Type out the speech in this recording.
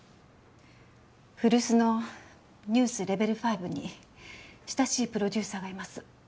古巣の『ＮＥＷＳＬＥＶＥＬ５』に親しいプロデューサーがいます。